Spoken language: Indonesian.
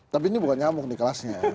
tapi ini bukan nyamuk nih kelasnya